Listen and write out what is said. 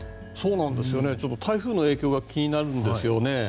台風の影響が気になるんですよね。